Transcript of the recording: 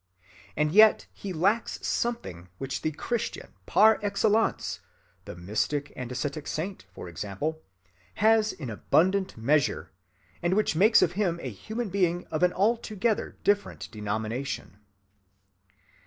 And yet he lacks something which the Christian par excellence, the mystic and ascetic saint, for example, has in abundant measure, and which makes of him a human being of an altogether different denomination.